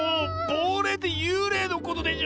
ぼうれいってゆうれいのことでしょ